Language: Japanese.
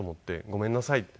「ごめんなさい」って。